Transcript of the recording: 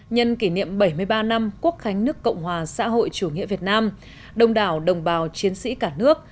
nhân kỷ niệm bảy mươi ba năm quốc khánh nước cộng hòa xã hội chủ nghĩa việt nam đồng đảo đồng bào chiến sĩ cả nước